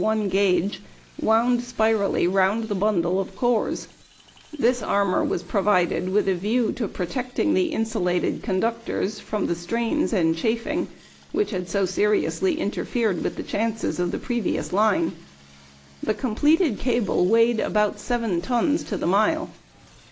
1 gage wound spirally round the bundle of cores; this armor was provided "with a view to protecting the insulated conductors from the strains and chafing which had so seriously interfered with the chances of the previous line." The completed cable weighed about seven tons to the mile.